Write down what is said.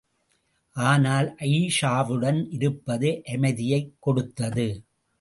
ஆனால், அயீஷாவுடன் இருப்பது அமைதியைக் கொடுத்தது.